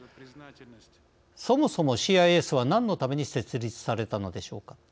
そもそもＣＩＳは、何のために設立されたのでしょうか。